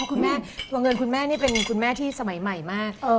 เพราะว่าคุณแม่เป็นคุณแม่ที่สมัยใหม่มาก